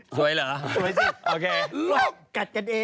สวยเหรอสวยโลกกัดกันเอง